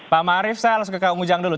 pak marief saya langsung ke kak ujang dulu